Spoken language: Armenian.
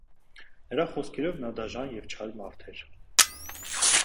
Նրա խոսքերով նա դաժան և չար մարդ էր։